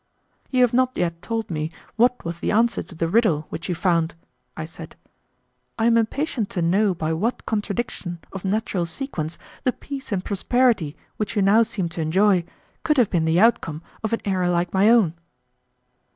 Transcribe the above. "You have not yet told me what was the answer to the riddle which you found," I said. "I am impatient to know by what contradiction of natural sequence the peace and prosperity which you now seem to enjoy could have been the outcome of an era like my own."